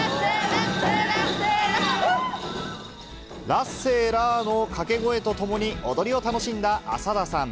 ラッセラーの掛け声とともに踊りを楽しんだ浅田さん。